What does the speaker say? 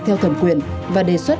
theo thẩm quyền và đề xuất